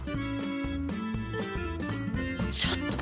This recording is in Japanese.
ちょっと！